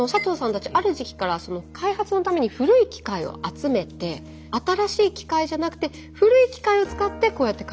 たちある時期から開発のために古い機械を集めて新しい機械じゃなくて古い機械を使ってこうやって開発を進めていったんです。